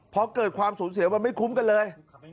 พอเกิดความสูญเสียมันไม่คุ้มกันเลย